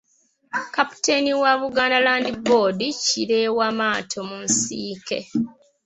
Kapiteeni wa Buganda Land Board, Kireewa Maato mu nsiike.